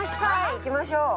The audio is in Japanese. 行きましょう。